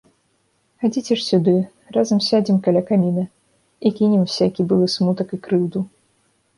Хадзіце ж сюды, разам сядзем каля каміна і кінем усякі былы смутак і крыўду.